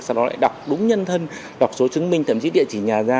sau đó lại đọc đúng nhân thân đọc số chứng minh thậm chí địa chỉ nhà ra